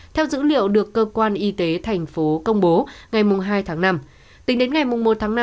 theo dữ liệu được cơ quan y tế thành phố công bố ngày hai tháng năm tính đến ngày một tháng năm